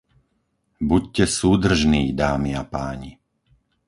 Buďte súdržní, dámy a páni!